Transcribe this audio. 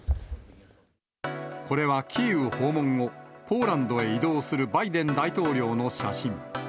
これは、キーウ訪問後、ポーランドへ移動するバイデン大統領の写真。